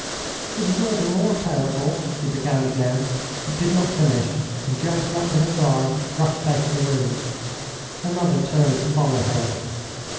"It is all the more terrible " she began again, but did not finish, and jumping up with a cry rushed out of the room. Her mother turned to follow her.